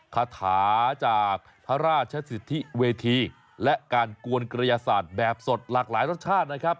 คาถาจากพระราชสิทธิเวทีและการกวนกระยาศาสตร์แบบสดหลากหลายรสชาตินะครับ